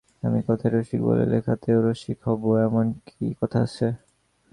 আমি কথায় রসিক বলে লেখাতেও রসিক হব এমন কি কথা আছে?